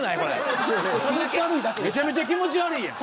めちゃめちゃ気持ち悪いやん。